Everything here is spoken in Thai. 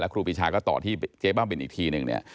ครูปีชาก็ต่อที่เจ๊บ้าบินอีกทีหนึ่งเนี่ย